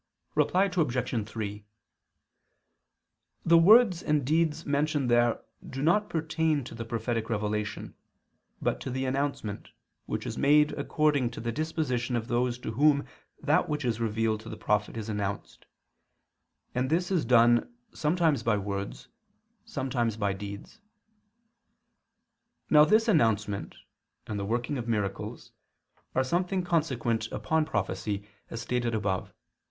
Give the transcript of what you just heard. Reply Obj. 3: The words and deeds mentioned there do not pertain to the prophetic revelation, but to the announcement, which is made according to the disposition of those to whom that which is revealed to the prophet is announced; and this is done sometimes by words, sometimes by deeds. Now this announcement, and the working of miracles, are something consequent upon prophecy, as stated above (Q.